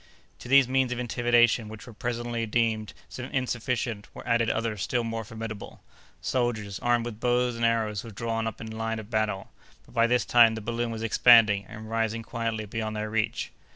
To these means of intimidation, which were presently deemed insufficient, were added others still more formidable. Soldiers, armed with bows and arrows, were drawn up in line of battle; but by this time the balloon was expanding, and rising quietly beyond their reach.